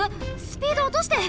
スピードおとして！